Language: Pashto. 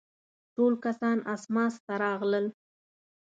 ټول کسان اسماس ته راغلل.